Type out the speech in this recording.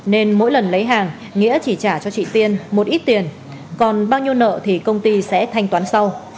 nên mỗi lần lấy hàng nghĩa chỉ trả cho chị tiên một ít tiền còn bao nhiêu nợ thì công ty sẽ thanh toán sau